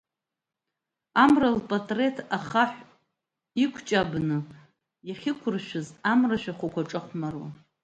Амра лпатреҭ ахаҳә иқәҷабны иахьықәыршәыз амра шәахәақәа аҿахәмаруан.